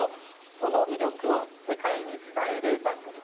その魅力を世界に伝える番組です。